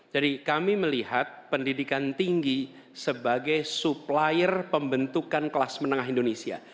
jadi kami melihat pendidikan tinggi sebagai supplier pembentukan kelas menengah indonesia